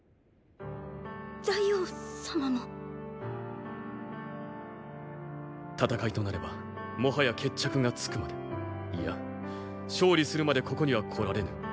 大王様も⁉戦いとなればもはや決着がつくまでいや勝利するまでここには来られぬ。